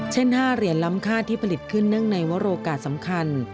๕เหรียญล้ำค่าที่ผลิตขึ้นเนื่องในวรโอกาสสำคัญ